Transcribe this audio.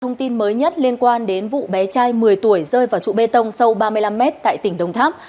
thông tin mới nhất liên quan đến vụ bé trai một mươi tuổi rơi vào trụ bê tông sâu ba mươi năm mét tại tỉnh đồng tháp